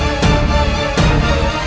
ketika kanda menang kanda menang